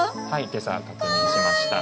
今朝確認しました。